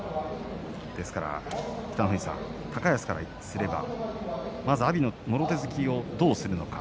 ですから北の富士さん高安からすればまず阿炎のもろ手突きをどうするのか。